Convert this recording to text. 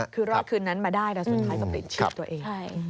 คือรอดคืนนั้นมาได้แต่สุดท้ายตกติดชีวิตตัวเอง